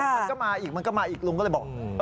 มันก็มาอีกมันก็มาอีกลุงก็เลยบอก